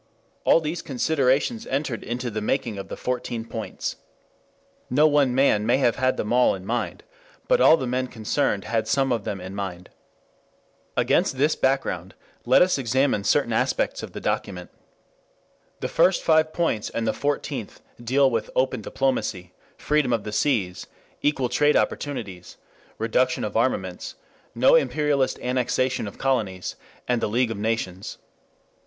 All these considerations entered into the making of the Fourteen Points. No one man may have had them all in mind, but all the men concerned had some of them in mind. Against this background let us examine certain aspects of the document. The first five points and the fourteenth deal with "open diplomacy," "freedom of the seas," "equal trade opportunities," "reduction of armaments," no imperialist annexation of colonies, and the League of Nations.